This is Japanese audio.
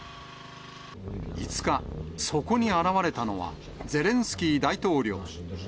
５日、そこに現れたのは、ゼレンスキー大統領。